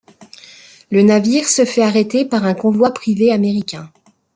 Le navire se fait arrêter par un convoi privé américain.